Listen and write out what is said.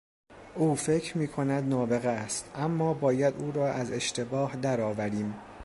او فکر میکند نابغه است، اما باید او را از اشتباه درآوریم.